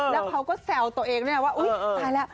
แล้วเขาก็แซวตัวเองด้วยนะว่าอุ๊ยตายแล้ว